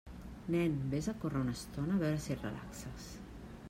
Nen, vés a córrer una estona, a veure si et relaxes.